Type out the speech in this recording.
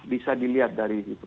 bisa dilihat dari itu